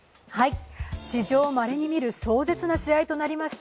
史上まれに見る壮絶な試合となりました。